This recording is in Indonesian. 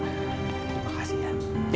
terima kasih ya